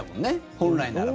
本来ならば。